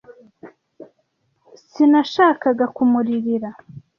Sinashakaga kumuririra.